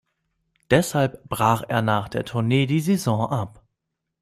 Deshalb brach er nach der Tournee die Saison ab.